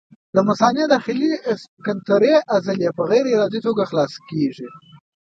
د مثانې د داخلي سفنکترې عضلې په غیر ارادي توګه خلاصه کېږي.